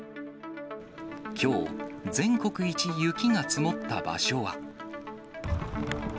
きょう、全国一雪が積もった場所は。